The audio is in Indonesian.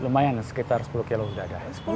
lumayan sekitar sepuluh kilo sudah ada sepuluh